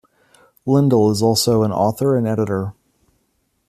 Lindall is also an author and editor.